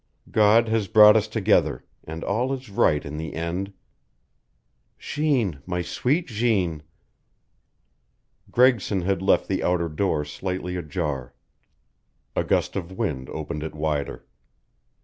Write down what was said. God has brought us together, and all is right in the end. Jeanne my sweet Jeanne " Gregson had left the outer door slightly ajar. A gust of wind opened it wider.